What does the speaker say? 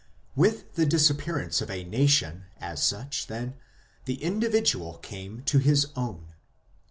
With the disappearance of the nation, as such, then, the individual came to his own.